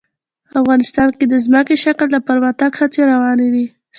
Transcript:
افغانستان کې د ځمکنی شکل د پرمختګ هڅې روانې دي.